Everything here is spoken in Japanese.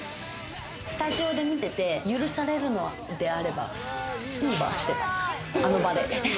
スタジオで見てて許されるのであればウーバーしてた、あの場で。